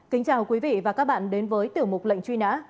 kính chào quý vị và các bạn đến với tiểu mục lệnh truy nã